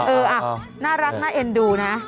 เออน่ารักน่าเอ็นดูนะ